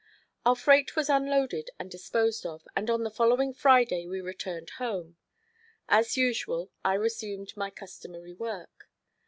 Our freight was unloaded and disposed of, and on the following Friday we returned home. As usual, I resumed my customary work.